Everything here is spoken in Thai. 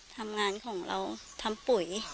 ทำงานของเราทำปุ๋ย